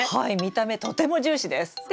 はい見た目とても重視です。